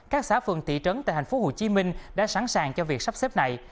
các xã phường tỷ trấn tại tp hcm đã sẵn sàng cho việc sắp xếp này